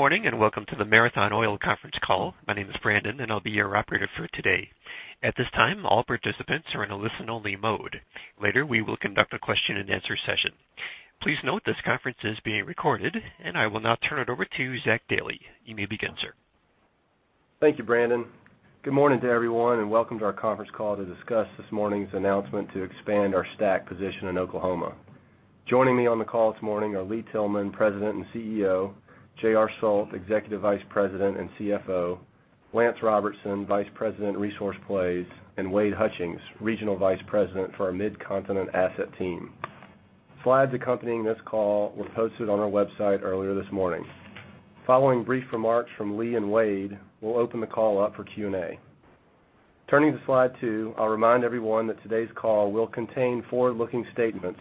Good morning, and welcome to the Marathon Oil conference call. My name is Brandon, and I'll be your operator for today. At this time, all participants are in a listen-only mode. Later, we will conduct a question-and-answer session. Please note this conference is being recorded, and I will now turn it over to Zach Dailey. You may begin, sir. Thank you, Brandon. Good morning to everyone, and welcome to our conference call to discuss this morning's announcement to expand our STACK position in Oklahoma. Joining me on the call this morning are Lee Tillman, President and CEO, J.R. Sult, Executive Vice President and CFO, Lance Robertson, Vice President, Resource Plays, and Wade Hutchings, Regional Vice President for our Mid-Continent asset team. Slides accompanying this call were posted on our website earlier this morning. Following brief remarks from Lee and Wade, we'll open the call up for Q&A. Turning to slide two, I'll remind everyone that today's call will contain forward-looking statements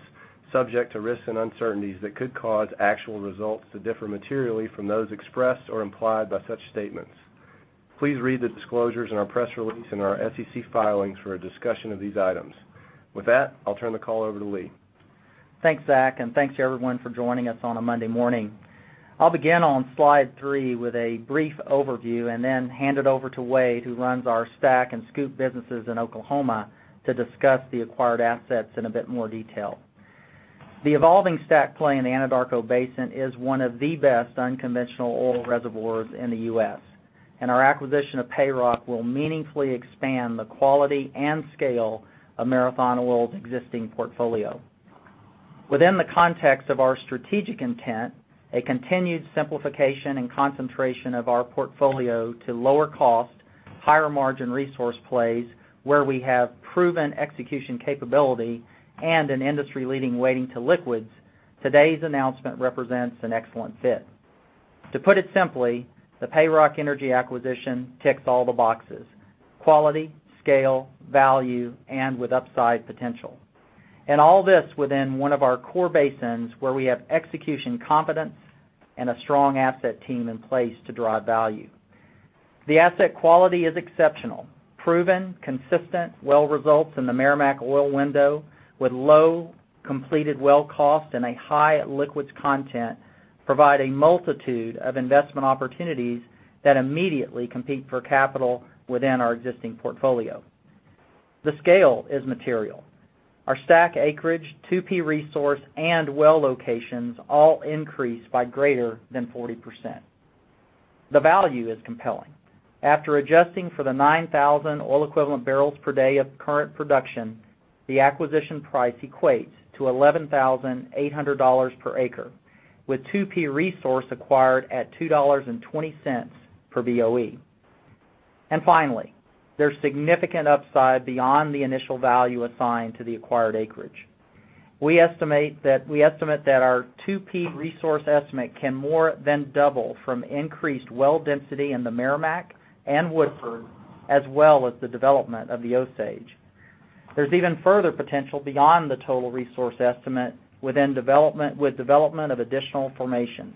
subject to risks and uncertainties that could cause actual results to differ materially from those expressed or implied by such statements. Please read the disclosures in our press release and our SEC filings for a discussion of these items. With that, I'll turn the call over to Lee. Thanks, Zach, and thanks to everyone for joining us on a Monday morning. I'll begin on slide three with a brief overview and then hand it over to Wade, who runs our STACK and SCOOP businesses in Oklahoma, to discuss the acquired assets in a bit more detail. The evolving STACK play in the Anadarko Basin is one of the best unconventional oil reservoirs in the U.S., and our acquisition of PayRock will meaningfully expand the quality and scale of Marathon Oil's existing portfolio. Within the context of our strategic intent, a continued simplification and concentration of our portfolio to lower cost, higher margin resource plays, where we have proven execution capability and an industry-leading weighting to liquids, today's announcement represents an excellent fit. To put it simply, the PayRock Energy acquisition ticks all the boxes: quality, scale, value, and with upside potential. All this within one of our core basins, where we have execution confidence and a strong asset team in place to drive value. The asset quality is exceptional. Proven, consistent well results in the Meramec oil window with low completed well cost and a high liquids content provide a multitude of investment opportunities that immediately compete for capital within our existing portfolio. The scale is material. Our STACK acreage, 2P resource, and well locations all increase by greater than 40%. The value is compelling. After adjusting for the 9,000 oil equivalent barrels per day of current production, the acquisition price equates to $11,800 per acre, with 2P resource acquired at $2.20 per BOE. Finally, there's significant upside beyond the initial value assigned to the acquired acreage. We estimate that our 2P resource estimate can more than double from increased well density in the Meramec and Woodford, as well as the development of the Osage. There's even further potential beyond the total resource estimate with development of additional formations.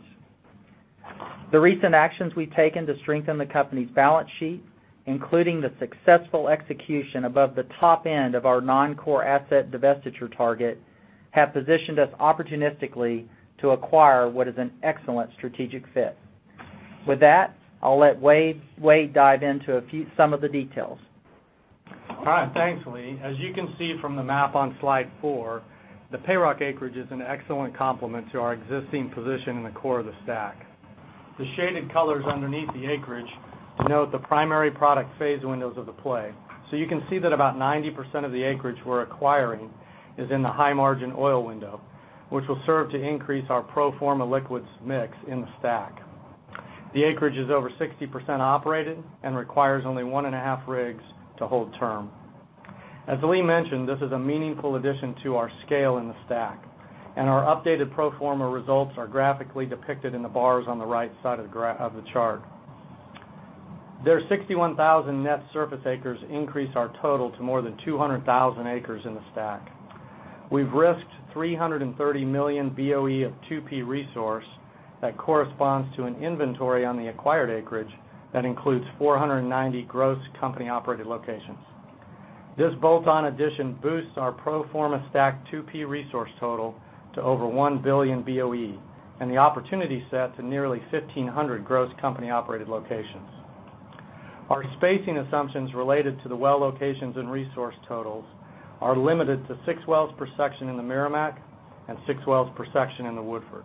The recent actions we've taken to strengthen the company's balance sheet, including the successful execution above the top end of our non-core asset divestiture target, have positioned us opportunistically to acquire what is an excellent strategic fit. With that, I'll let Wade dive into some of the details. All right. Thanks, Lee. As you can see from the map on slide four, the PayRock acreage is an excellent complement to our existing position in the core of the STACK. The shaded colors underneath the acreage denote the primary product phase windows of the play. You can see that about 90% of the acreage we're acquiring is in the high-margin oil window, which will serve to increase our pro forma liquids mix in the STACK. The acreage is over 60% operated and requires only one and a half rigs to hold term. As Lee mentioned, this is a meaningful addition to our scale in the STACK, and our updated pro forma results are graphically depicted in the bars on the right side of the chart. Their 61,000 net surface acres increase our total to more than 200,000 acres in the STACK. We've risked 330 million BOE of 2P resource that corresponds to an inventory on the acquired acreage that includes 490 gross company-operated locations. This bolt-on addition boosts our pro forma STACK 2P resource total to over one billion BOE, and the opportunity set to nearly 1,500 gross company-operated locations. Our spacing assumptions related to the well locations and resource totals are limited to six wells per section in the Meramec and six wells per section in the Woodford.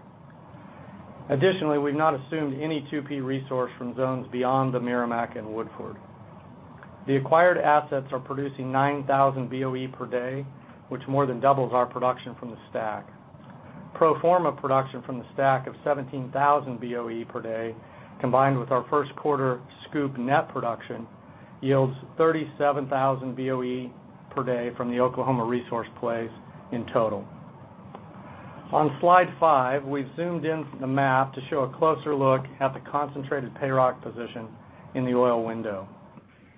Additionally, we've not assumed any 2P resource from zones beyond the Meramec and Woodford. The acquired assets are producing 9,000 BOE per day, which more than doubles our production from the STACK. Pro forma production from the STACK of 17,000 BOE per day, combined with our first quarter SCOOP net production, yields 37,000 BOE per day from the Oklahoma resource plays in total. On slide five, we've zoomed in the map to show a closer look at the concentrated PayRock position in the oil window.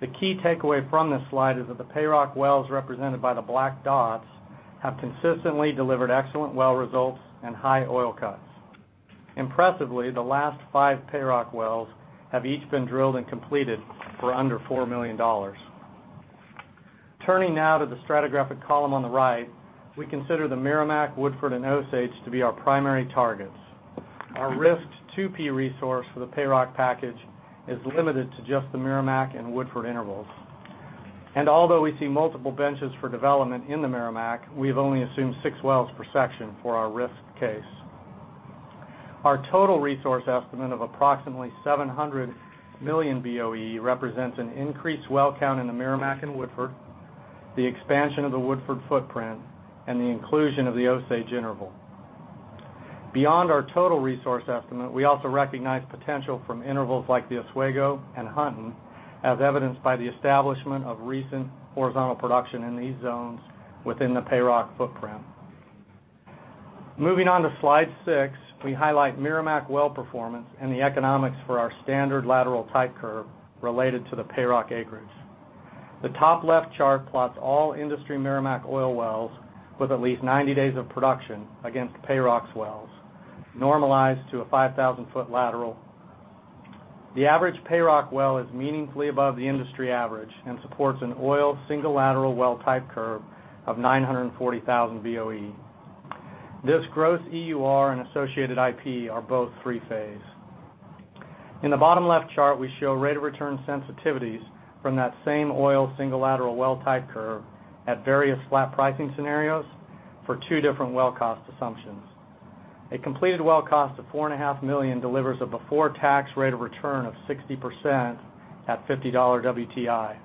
The key takeaway from this slide is that the PayRock wells represented by the black dots have consistently delivered excellent well results and high oil cuts. Impressively, the last five PayRock wells have each been drilled and completed for under $4 million. Turning now to the stratigraphic column on the right, we consider the Meramec, Woodford, and Osage to be our primary targets. Our risked 2P resource for the PayRock package is limited to just the Meramec and Woodford intervals. And although we see multiple benches for development in the Meramec, we have only assumed six wells per section for our risked case. Our total resource estimate of approximately 700 million BOE represents an increased well count in the Meramec and Woodford, the expansion of the Woodford footprint, and the inclusion of the Osage interval. Beyond our total resource estimate, we also recognize potential from intervals like the Oswego and Hunton, as evidenced by the establishment of recent horizontal production in these zones within the PayRock footprint. Moving on to slide six, we highlight Meramec well performance and the economics for our standard lateral type curve related to the PayRock acreage. The top left chart plots all industry Meramec oil wells with at least 90 days of production against PayRock's wells, normalized to a 5,000-foot lateral. The average PayRock well is meaningfully above the industry average and supports an oil single lateral well type curve of 940,000 BOE. This gross EUR and associated IP are both three phase. In the bottom left chart, we show rate of return sensitivities from that same oil single lateral well type curve at various flat pricing scenarios for two different well cost assumptions. A completed well cost of $4.5 million delivers a before tax rate of return of 60% at $50 WTI,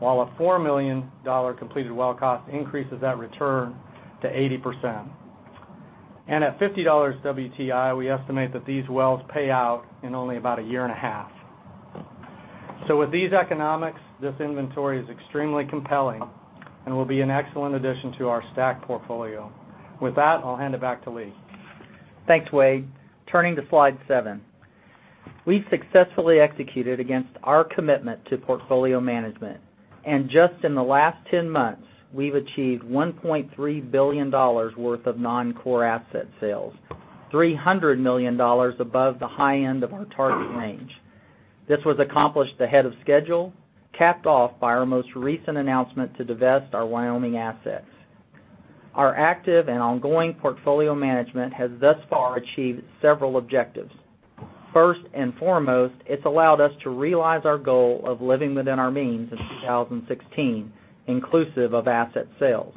while a $4 million completed well cost increases that return to 80%. At $50 WTI, we estimate that these wells pay out in only about a year and a half. With these economics, this inventory is extremely compelling and will be an excellent addition to our STACK portfolio. With that, I'll hand it back to Lee. Thanks, Wade. Turning to slide seven. We've successfully executed against our commitment to portfolio management, and just in the last 10 months, we've achieved $1.3 billion worth of non-core asset sales, $300 million above the high end of our target range. This was accomplished ahead of schedule, capped off by our most recent announcement to divest our Wyoming assets. Our active and ongoing portfolio management has thus far achieved several objectives. First and foremost, it's allowed us to realize our goal of living within our means in 2016, inclusive of asset sales.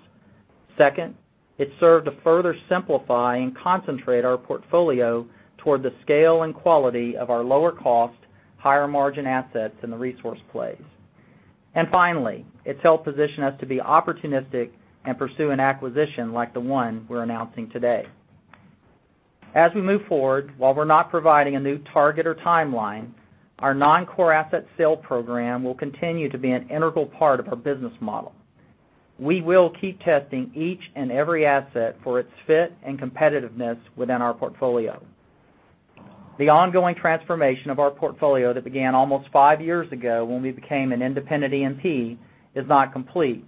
Second, it served to further simplify and concentrate our portfolio toward the scale and quality of our lower cost, higher margin assets in the resource plays. Finally, it's helped position us to be opportunistic and pursue an acquisition like the one we're announcing today. As we move forward, while we're not providing a new target or timeline, our non-core asset sale program will continue to be an integral part of our business model. We will keep testing each and every asset for its fit and competitiveness within our portfolio. The ongoing transformation of our portfolio that began almost five years ago when we became an independent E&P is not complete,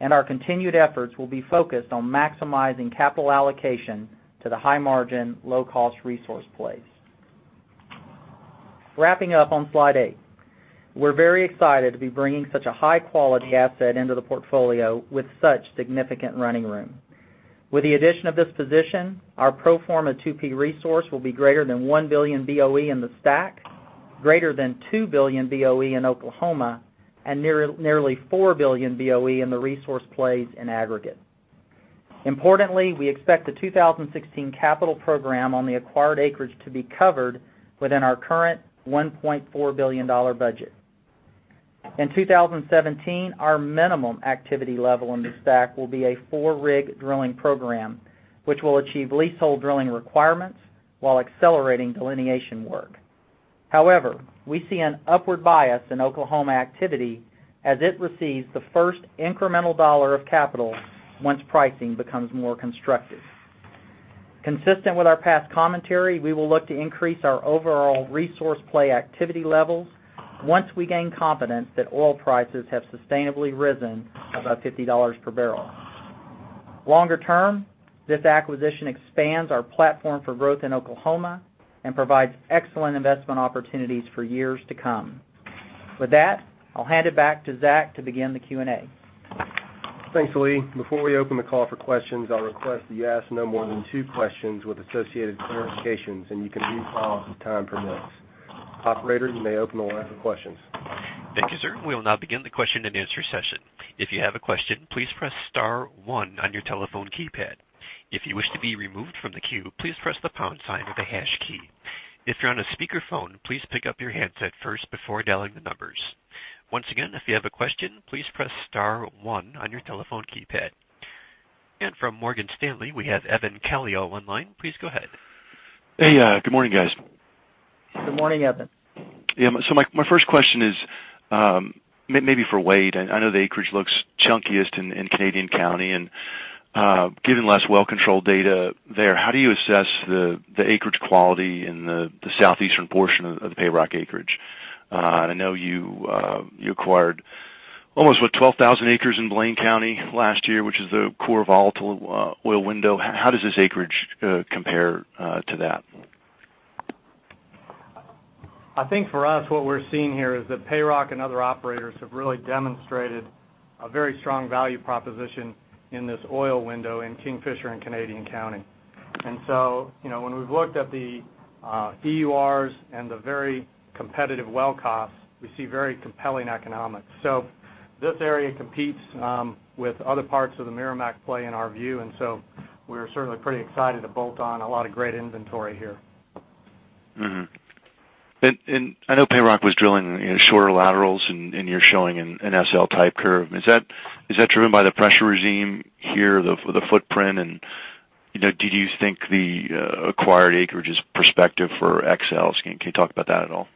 and our continued efforts will be focused on maximizing capital allocation to the high margin, low cost resource plays. Wrapping up on slide eight. We're very excited to be bringing such a high-quality asset into the portfolio with such significant running room. With the addition of this position, our pro forma 2P resource will be greater than 1 billion BOE in the STACK, greater than 2 billion BOE in Oklahoma, and nearly 4 billion BOE in the resource plays in aggregate. Importantly, we expect the 2016 capital program on the acquired acreage to be covered within our current $1.4 billion budget. In 2017, our minimum activity level in the STACK will be a four-rig drilling program, which will achieve leasehold drilling requirements while accelerating delineation work. However, we see an upward bias in Oklahoma activity as it receives the first incremental dollar of capital once pricing becomes more constructive. Consistent with our past commentary, we will look to increase our overall resource play activity levels once we gain confidence that oil prices have sustainably risen above $50 per barrel. Longer term, this acquisition expands our platform for growth in Oklahoma and provides excellent investment opportunities for years to come. With that, I'll hand it back to Zach to begin the Q&A. Thanks, Lee. Before we open the call for questions, I'll request that you ask no more than two questions with associated clarifications, and you can queue follow-ups as time permits. Operator, you may open the line for questions. Thank you, sir. We will now begin the question-and-answer session. If you have a question, please press *1 on your telephone keypad. If you wish to be removed from the queue, please press the pound sign or the hash key. If you're on a speakerphone, please pick up your handset first before dialing the numbers. Once again, if you have a question, please press *1 on your telephone keypad. From Morgan Stanley, we have Evan Calio online. Please go ahead. Hey, good morning, guys. Good morning, Evan. Yeah. My first question is maybe for Wade. I know the acreage looks chunkiest in Canadian County. Given less well-controlled data there, how do you assess the acreage quality in the southeastern portion of the PayRock acreage? I know you acquired almost, what, 12,000 acres in Blaine County last year, which is the core volatile oil window. How does this acreage compare to that? I think for us, what we're seeing here is that PayRock and other operators have really demonstrated a very strong value proposition in this oil window in Kingfisher and Canadian County. When we've looked at the EURs and the very competitive well costs, we see very compelling economics. This area competes with other parts of the Meramec play, in our view, and so we're certainly pretty excited to bolt on a lot of great inventory here. Mm-hmm. I know PayRock was drilling shorter laterals and you're showing an SL type curve. Is that driven by the pressure regime here, the footprint, and do you think the acquired acreage is prospective for XL scheme? Can you talk about that at all?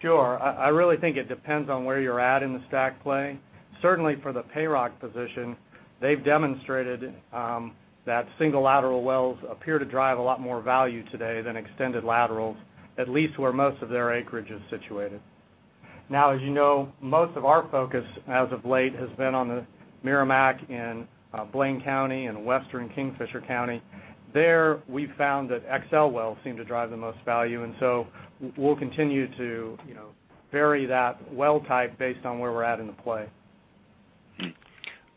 Sure. I really think it depends on where you're at in the STACK play. Certainly for the PayRock position, they've demonstrated that single lateral wells appear to drive a lot more value today than extended laterals, at least where most of their acreage is situated. As you know, most of our focus as of late has been on the Meramec in Blaine County and Western Kingfisher County. There, we've found that XL wells seem to drive the most value, so we'll continue to vary that well type based on where we're at in the play. Hmm.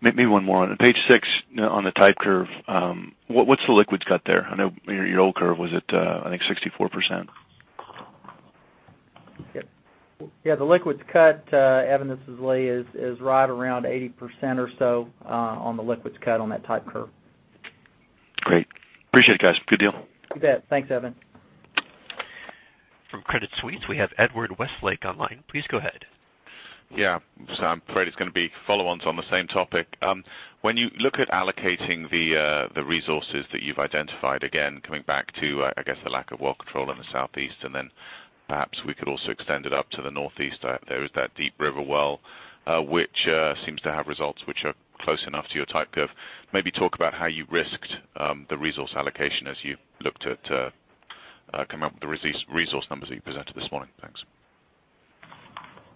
Maybe one more. On page six on the type curve, what's the liquids cut there? I know your old curve was at, I think, 64%. Yep. Yeah, the liquids cut, Evan, this is Lee, is right around 80% or so on the liquids cut on that type curve. Great. Appreciate it, guys. Good deal. You bet. Thanks, Evan. From Credit Suisse, we have Edward Westlake online. Please go ahead. I'm afraid it's going to be follow-ons on the same topic. When you look at allocating the resources that you've identified, again, coming back to, I guess, the lack of well control in the southeast, and then perhaps we could also extend it up to the northeast. There is that Deep River well, which seems to have results which are close enough to your type curve. Maybe talk about how you risked the resource allocation as you looked at coming up with the resource numbers that you presented this morning. Thanks.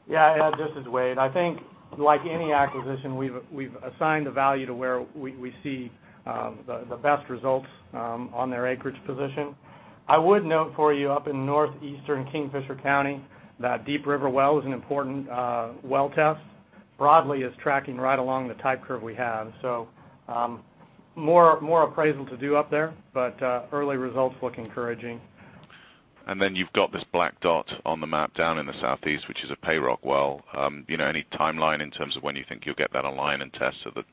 Yeah. Edward, this is Wade. I think, like any acquisition, we've assigned a value to where we see the best results on their acreage position. I would note for you up in northeastern Kingfisher County that Deep River well is an important well test. Broadly, it's tracking right along the type curve we have. More appraisal to do up there, but early results look encouraging. You've got this black dot on the map down in the southeast, which is a PayRock well. Any timeline in terms of when you think you'll get that aligned and tested, that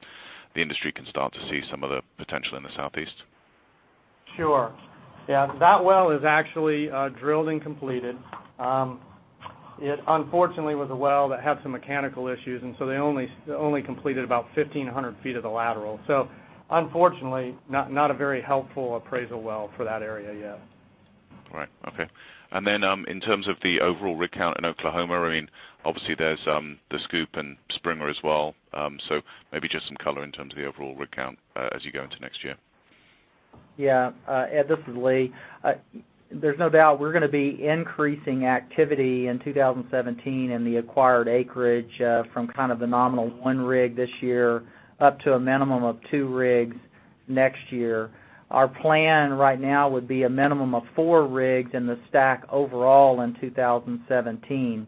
the industry can start to see some of the potential in the southeast? Sure. Yeah. That well is actually drilled and completed. It unfortunately was a well that had some mechanical issues, and so they only completed about 1,500 feet of the lateral. Unfortunately, not a very helpful appraisal well for that area yet. Right. Okay. In terms of the overall rig count in Oklahoma, obviously there's the SCOOP and SPRINGER as well. Maybe just some color in terms of the overall rig count as you go into next year. Yeah. Ed, this is Lee. There's no doubt we're going to be increasing activity in 2017 in the acquired acreage from the nominal one rig this year up to a minimum of two rigs next year. Our plan right now would be a minimum of four rigs in the STACK overall in 2017.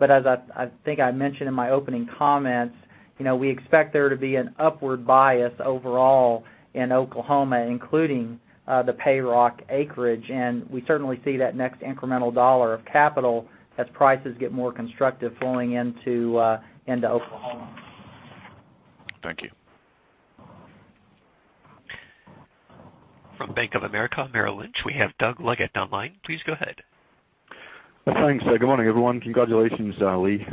As I think I mentioned in my opening comments, we expect there to be an upward bias overall in Oklahoma, including the PayRock acreage, and we certainly see that next incremental dollar of capital as prices get more constructive flowing into Oklahoma. Thank you. From Bank of America Merrill Lynch, we have Doug Leggate online. Please go ahead. Thanks. Good morning, everyone. Congratulations, Lee.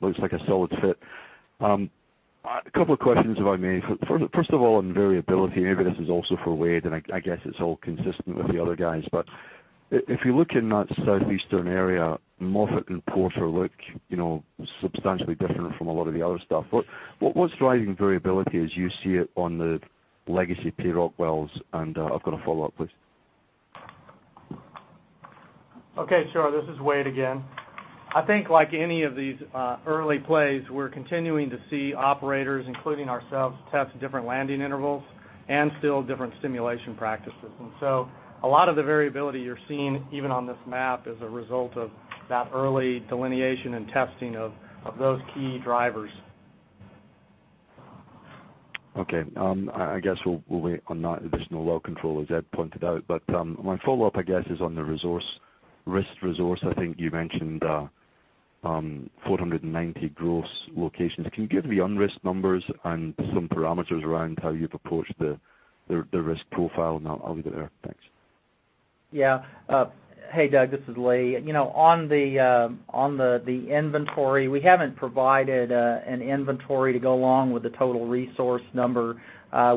Looks like a solid fit. A couple of questions, if I may. First of all, on variability, maybe this is also for Wade, I guess it's all consistent with the other guys. If you look in that southeastern area, Moffett and Porter look substantially different from a lot of the other stuff. What's driving variability as you see it on the legacy PayRock wells? I've got a follow-up, please. Okay, sure. This is Wade again. I think like any of these early plays, we're continuing to see operators, including ourselves, test different landing intervals and still different stimulation practices. A lot of the variability you're seeing, even on this map, is a result of that early delineation and testing of those key drivers. Okay. I guess we'll wait on that additional well control, as Ed pointed out. My follow-up, I guess, is on the resource. Risk resource, I think you mentioned 490 gross locations. Can you give the unrisked numbers and some parameters around how you've approached the risk profile? I'll leave it there. Thanks. Yeah. Hey, Doug, this is Lee. On the inventory, we haven't provided an inventory to go along with the total resource number.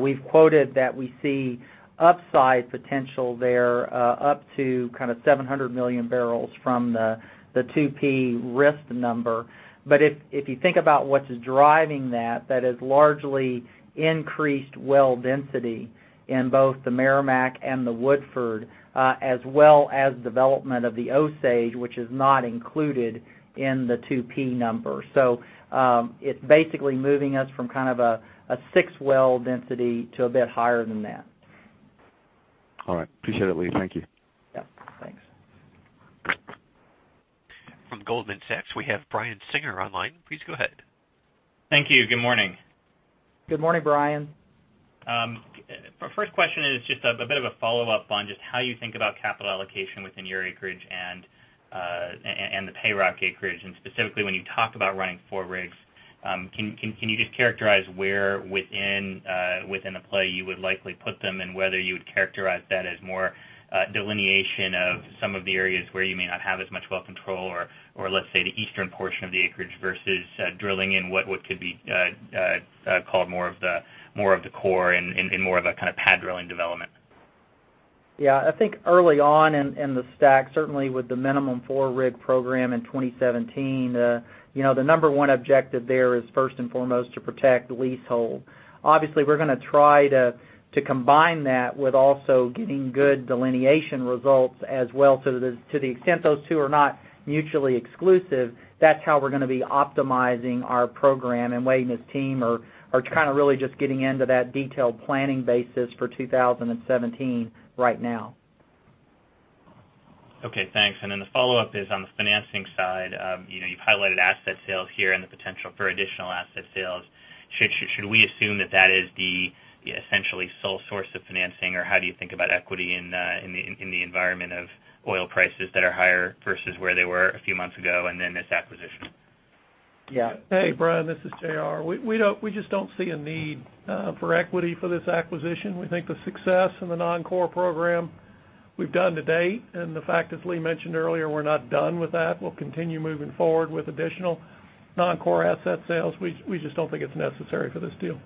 We've quoted that we see upside potential there up to 700 million barrels from the 2P risk number. If you think about what's driving that is largely increased well density in both the Meramec and the Woodford, as well as development of the Osage, which is not included in the 2P number. It's basically moving us from a six-well density to a bit higher than that. All right. Appreciate it, Lee. Thank you. Yeah, thanks. From Goldman Sachs, we have Brian Singer online. Please go ahead. Thank you. Good morning. Good morning, Brian. My first question is just a bit of a follow-up on just how you think about capital allocation within your acreage and the PayRock acreage, and specifically when you talk about running four rigs. Can you just characterize where within the play you would likely put them, and whether you would characterize that as more delineation of some of the areas where you may not have as much well control or let's say the eastern portion of the acreage versus drilling in what could be called more of the core and more of a pad drilling development? Yeah. I think early on in the STACK, certainly with the minimum four-rig program in 2017, the number one objective there is first and foremost to protect the leasehold. Obviously, we're going to try to combine that with also getting good delineation results as well. To the extent those two are not mutually exclusive, that's how we're going to be optimizing our program. Wade and his team are really just getting into that detailed planning basis for 2017 right now. Okay, thanks. The follow-up is on the financing side. You've highlighted asset sales here and the potential for additional asset sales. Should we assume that that is the essentially sole source of financing, or how do you think about equity in the environment of oil prices that are higher versus where they were a few months ago, and then this acquisition? Yeah. Hey, Brian, this is Dane. We just don't see a need for equity for this acquisition. We think the success in the non-core program we've done to date, and the fact, as Lee mentioned earlier, we're not done with that. We'll continue moving forward with additional non-core asset sales. We just don't think it's necessary for this deal.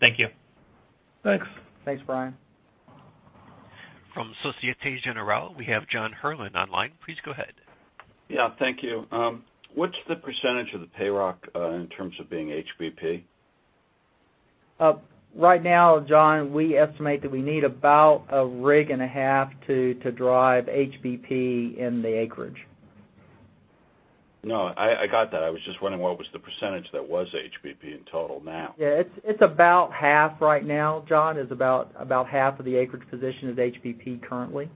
Thank you. Thanks. Thanks, Brian. From Societe Generale, we have John Herrlin online. Please go ahead. Yeah, thank you. What's the percentage of the PayRock in terms of being HBP? Right now, John, we estimate that we need about a rig and a half to drive HBP in the acreage. I got that. I was just wondering what was the percentage that was HBP in total now. It's about half right now, John, is about half of the acreage position is HBP currently.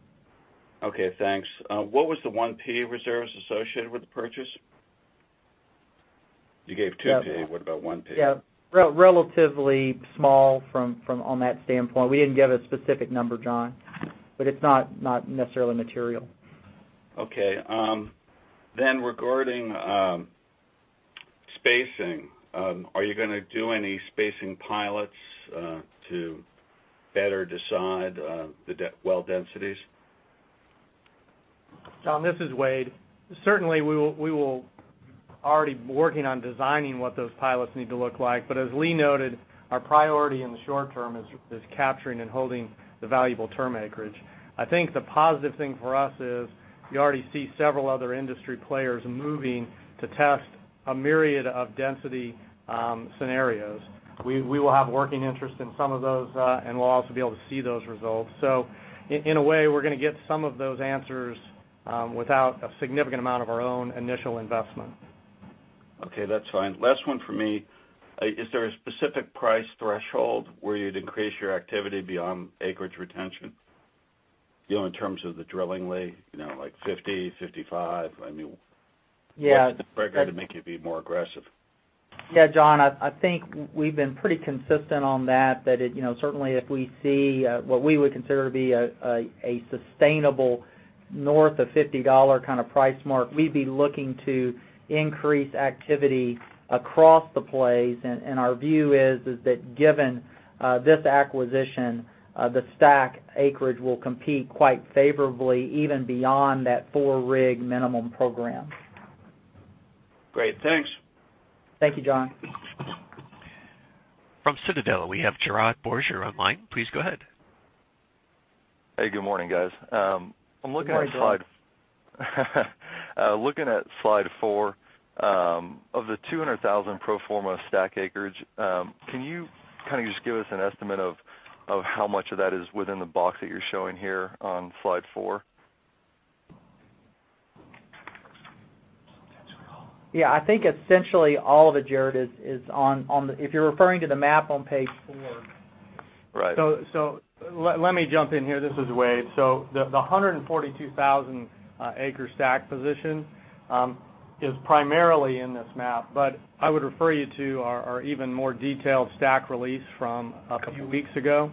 Okay, thanks. What was the 1P reserves associated with the purchase? You gave 2P. What about 1P? Yeah. Relatively small from on that standpoint. We didn't give a specific number, John, but it's not necessarily material. Regarding spacing, are you going to do any spacing pilots to better decide the well densities? John, this is Wade. Certainly, we will. Already working on designing what those pilots need to look like. As Lee noted, our priority in the short term is capturing and holding the valuable term acreage. I think the positive thing for us is you already see several other industry players moving to test a myriad of density scenarios. We will have working interest in some of those, and we'll also be able to see those results. In a way, we're going to get some of those answers without a significant amount of our own initial investment. Okay, that's fine. Last one from me. Is there a specific price threshold where you'd increase your activity beyond acreage retention? In terms of the drilling, Lee, like $50, $55? I mean- Yeah. What's the trigger to make you be more aggressive? Yeah, John, I think we've been pretty consistent on that certainly if we see what we would consider to be a sustainable north of $50 price mark, we'd be looking to increase activity across the plays. Our view is that given this acquisition, the STACK acreage will compete quite favorably even beyond that four-rig minimum program. Great. Thanks. Thank you, John. From Citadel, we have Jared Borger online. Please go ahead. Hey, good morning, guys. Good morning, Jared. Looking at slide four, of the 200,000 pro forma STACK acreage, can you just give us an estimate of how much of that is within the box that you're showing here on slide four? I think essentially all of it, Jared, if you're referring to the map on page four. Right. Let me jump in here. This is Wade. The 142,000-acre STACK position is primarily in this map, but I would refer you to our even more detailed STACK release from a few weeks ago.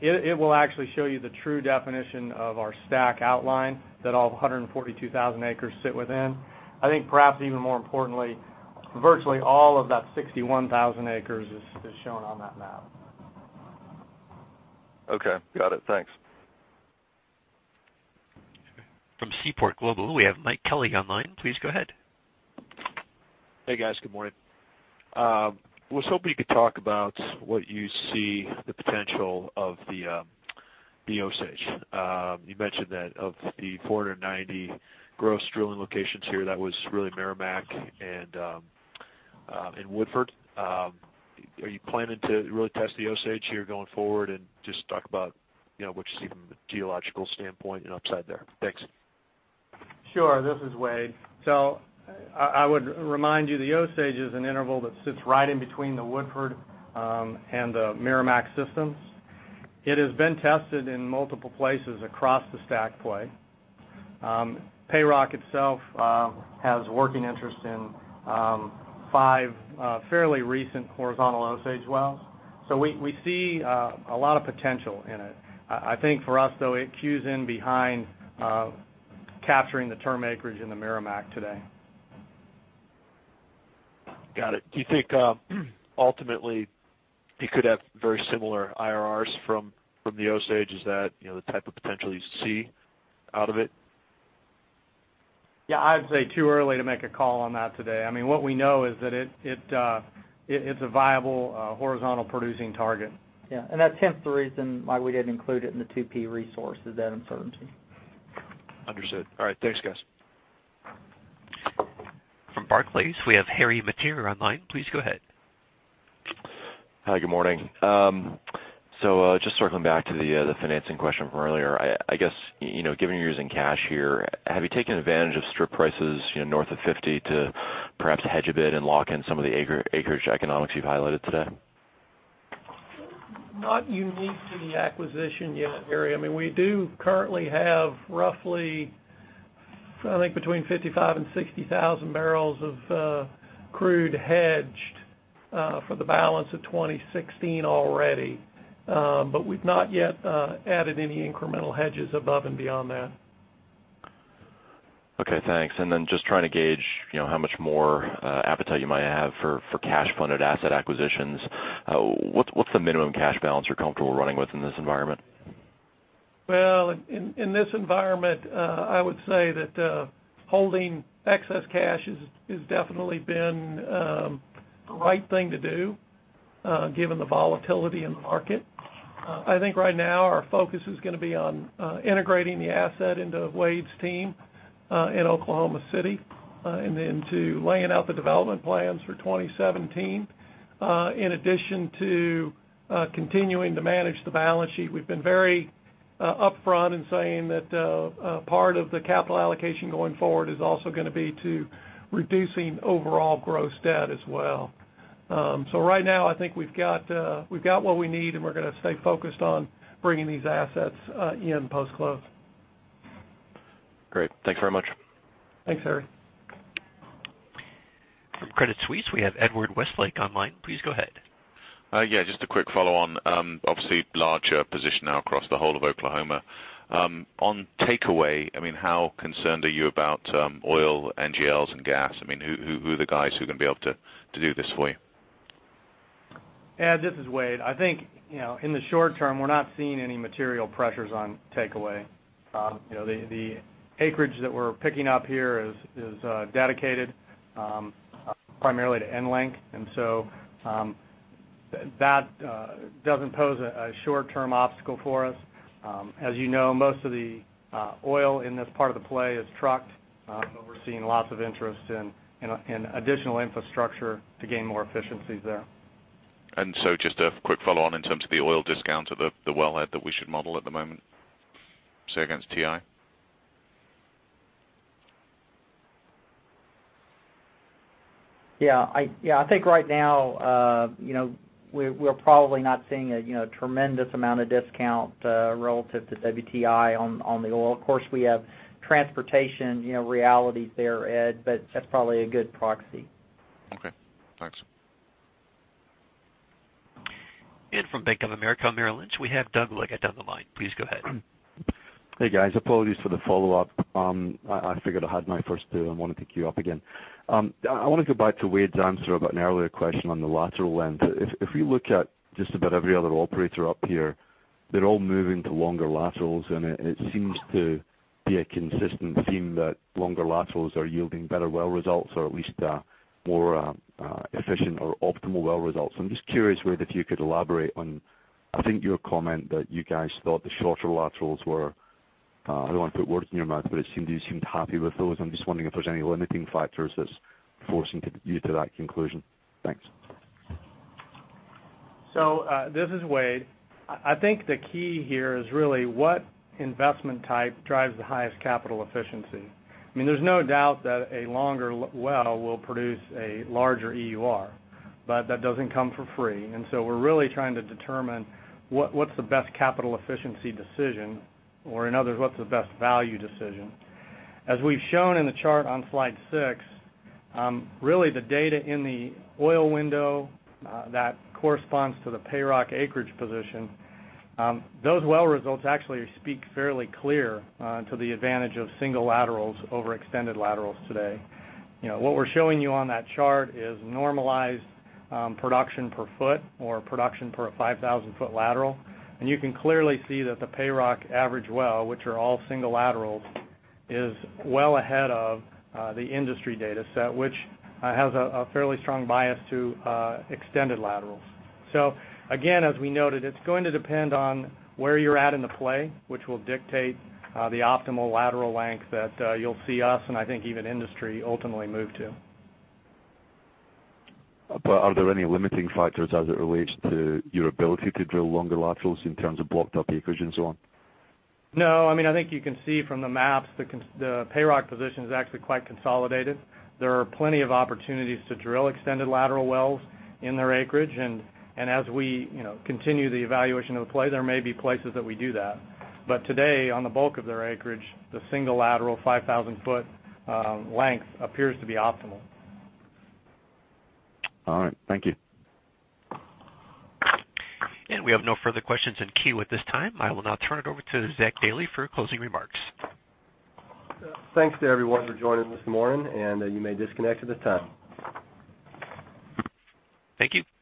It will actually show you the true definition of our STACK outline that all 142,000 acres sit within. I think perhaps even more importantly, virtually all of that 61,000 acres is shown on that map. Okay. Got it. Thanks. From Seaport Global, we have Mike Kelly online. Please go ahead. Hey, guys. Good morning. Was hoping you could talk about what you see the potential of the Osage. You mentioned that of the 490 gross drilling locations here, that was really Meramec and Woodford. Are you planning to really test the Osage here going forward? Just talk about what you see from a geological standpoint and upside there. Thanks. Sure. This is Wade. I would remind you, the Osage is an interval that sits right in between the Woodford and the Meramec systems. It has been tested in multiple places across the STACK play. PayRock itself has working interest in five fairly recent horizontal Osage wells. We see a lot of potential in it. I think for us, though, it cues in behind capturing the term acreage in the Meramec today. Got it. Do you think ultimately it could have very similar IRRs from the Osage? Is that the type of potential you see out of it? Yeah. I'd say too early to make a call on that today. What we know is that it's a viable horizontal producing target. Yeah. That's hence the reason why we didn't include it in the 2P resource is that uncertainty. Understood. All right. Thanks, guys. From Barclays, we have Harry Mateer online. Please go ahead. Hi. Good morning. Just circling back to the financing question from earlier. I guess, given you're using cash here, have you taken advantage of strip prices north of $50 to perhaps hedge a bit and lock in some of the acreage economics you've highlighted today? Not unique to the acquisition yet, Harry. We do currently have roughly, I think, between 55,000 and 60,000 barrels of crude hedged for the balance of 2016 already. We've not yet added any incremental hedges above and beyond that. Okay, thanks. Just trying to gauge how much more appetite you might have for cash funded asset acquisitions. What's the minimum cash balance you're comfortable running with in this environment? Well, in this environment, I would say that holding excess cash has definitely been the right thing to do given the volatility in the market. I think right now our focus is going to be on integrating the asset into Wade's team in Oklahoma City, then to laying out the development plans for 2017. In addition to continuing to manage the balance sheet, we've been very upfront in saying that part of the capital allocation going forward is also going to be to reducing overall gross debt as well. Right now, I think we've got what we need, and we're going to stay focused on bringing these assets in post-close. Great. Thanks very much. Thanks, Harry. From Credit Suisse, we have Edward Westlake online. Please go ahead. Yeah. Just a quick follow on. Obviously, larger position now across the whole of Oklahoma. On takeaway, how concerned are you about oil, NGLs, and gas? Who are the guys who are going to be able to do this for you? Ed, this is Wade. I think, in the short term, we're not seeing any material pressures on takeaway. The acreage that we're picking up here is dedicated primarily to EnLink, and so that doesn't pose a short-term obstacle for us. As you know, most of the oil in this part of the play is trucked. We're seeing lots of interest in additional infrastructure to gain more efficiencies there. Just a quick follow on in terms of the oil discount or the wellhead that we should model at the moment, say, against WTI. Yeah. I think right now, we're probably not seeing a tremendous amount of discount relative to WTI on the oil. Of course, we have transportation realities there, Ed, but that's probably a good proxy. Okay. Thanks. From Bank of America Merrill Lynch, we have Doug Leggate on the line. Please go ahead. Hey, guys. Apologies for the follow-up. I figured I had my first go, I want to pick you up again. I want to go back to Wade's answer about an earlier question on the lateral end. If we look at just about every other operator up here, they're all moving to longer laterals, and it seems to be a consistent theme that longer laterals are yielding better well results or at least more efficient or optimal well results. I'm just curious, Wade, if you could elaborate on, I think your comment that you guys thought the shorter laterals were, I don't want to put words in your mouth, but you seemed happy with those. I'm just wondering if there's any limiting factors that's forcing you to that conclusion. Thanks. This is Wade. I think the key here is really what investment type drives the highest capital efficiency. There's no doubt that a longer well will produce a larger EUR, but that doesn't come for free. We're really trying to determine what's the best capital efficiency decision, or in other words, what's the best value decision. As we've shown in the chart on slide six, really the data in the oil window that corresponds to the PayRock acreage position, those well results actually speak fairly clear to the advantage of single laterals over extended laterals today. What we're showing you on that chart is normalized production per foot or production per a 5,000-foot lateral. You can clearly see that the PayRock average well, which are all single laterals, is well ahead of the industry data set, which has a fairly strong bias to extended laterals. Again, as we noted, it's going to depend on where you're at in the play, which will dictate the optimal lateral length that you'll see us and I think even industry ultimately move to. Are there any limiting factors as it relates to your ability to drill longer laterals in terms of blocked up acreage and so on? No, I think you can see from the maps, the PayRock position is actually quite consolidated. There are plenty of opportunities to drill extended lateral wells in their acreage, and as we continue the evaluation of the play, there may be places that we do that. Today, on the bulk of their acreage, the single lateral 5,000-foot length appears to be optimal. All right. Thank you. We have no further questions in queue at this time. I will now turn it over to Zach Dailey for closing remarks. Thanks to everyone for joining this morning, and you may disconnect at this time. Thank you.